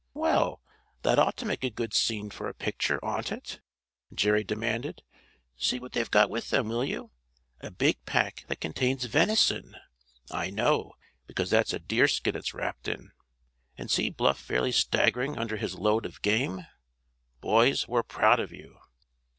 "Well, that ought to make a good scene for a picture, oughtn't it?" Jerry demanded. "See what they've got with them, will you? A big pack that contains venison, I know, because that's a deer skin it's wrapped in. And see Bluff fairly staggering under his load of game. Boys, we're proud of you."